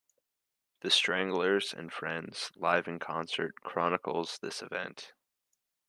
"The Stranglers and Friends: Live in Concert" chronicles this event.